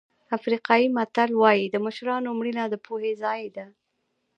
افریقایي متل وایي د مشرانو مړینه د پوهې ضایع ده.